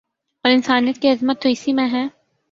اور انسانیت کی عظمت تو اسی میں ہے